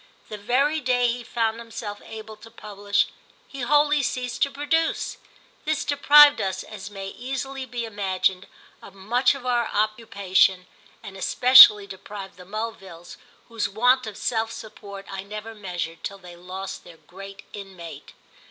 The very day he found himself able to publish he wholly ceased to produce. This deprived us, as may easily be imagined, of much of our occupation, and especially deprived the Mulvilles, whose want of self support I never measured till they lost their great inmate.